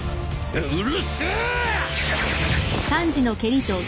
うるせえー！